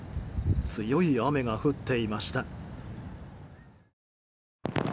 強い雨が降っていました。